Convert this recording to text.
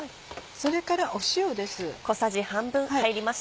それから塩です。